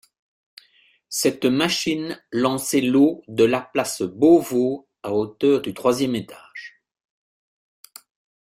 Cette machine lançait l'eau de la place Beauvau à hauteur du troisième étage.